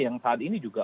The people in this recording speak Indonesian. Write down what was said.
yang saat ini juga